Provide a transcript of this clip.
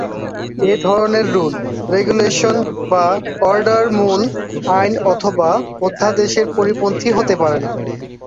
এধরনের rule, regulation বা order মূল আইন অথবা অধ্যাদেশের পরিপন্থী হতে পারেনা।